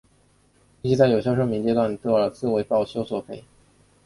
预计在有效寿命阶段有多少次保修索赔？